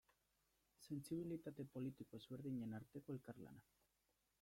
Sentsibilitate politiko ezberdinen arteko elkarlana.